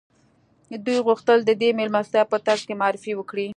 دوی غوښتل د دې مېلمستیا په ترڅ کې معرفي وکړي